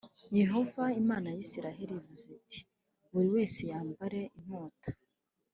Yehova Imana ya Isirayeli ivuze iti buri wese yambare inkota